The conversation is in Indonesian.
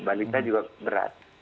bandita juga berat